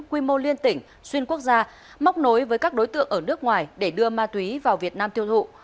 quy mô liên tỉnh xuyên quốc gia móc nối với các đối tượng ở nước ngoài để đưa ma túy vào việt nam tiêu thụ